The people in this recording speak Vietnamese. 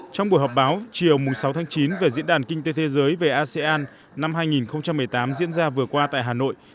trong buổi họp báo chiều sáu tháng chín về diễn đàn kinh tế thế giới về asean năm hai nghìn một mươi tám diễn ra vừa qua tại hà nội